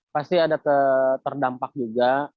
pasti ada terdampak juga